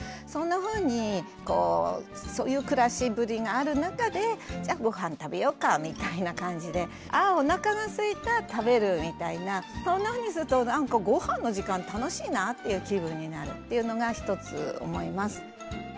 そんなふうにこうそういう暮らしぶりがある中でじゃあごはん食べようかみたいな感じで「あおなかがすいた食べる」みたいなそんなふうにすると「なんかごはんの時間楽しいな」っていう気分になるっていうのが一つ思います。